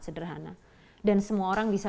sederhana dan semua orang bisa